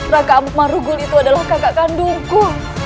ranggabwana itu adalah kakak kandungku